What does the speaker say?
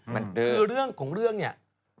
คือเรื่องของเรื่องเนี่ย